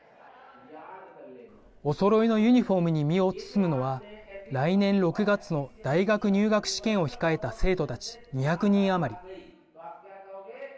おそろいのユニフォームに身を包むのは来年６月の大学入学試験を控えた生徒たち２００人余り。